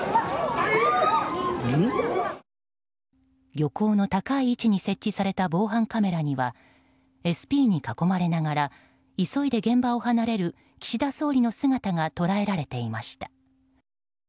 漁港の高い位置に設置された防犯カメラにはＳＰに囲まれながら急いで現場を離れる岸田総理の姿が捉えられていました。